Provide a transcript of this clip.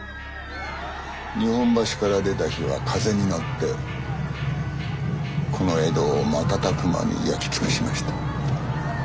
日本橋から出た火は風に乗ってこの江戸を瞬く間に焼き尽くしました。